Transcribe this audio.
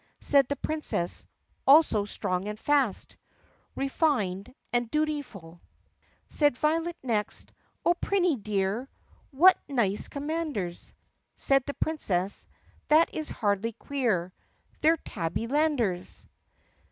Said the Princess, "Also strong and fast, Refined and dutiful." 1 12 THE PUSSYCAT PRINCESS Said Violet next, "Oh, Prinny dear ! What nice commanders!" Said the Princess, "That is hardly queer, They're Tabby landers!"